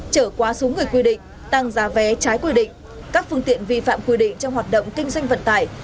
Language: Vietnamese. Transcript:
trở quá số người quy định tăng giá vé trái quy định các phương tiện vi phạm quy định trong hoạt động kinh doanh vận tải